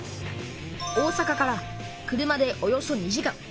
大阪から車でおよそ２時間。